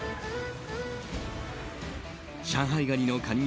上海ガニのカニ